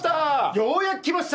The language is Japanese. ようやく来ました！